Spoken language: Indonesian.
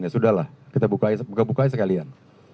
ya sudah lah kita buka buka aja sekalian